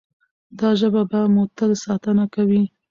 دا ژبه به مو تل ساتنه کوي.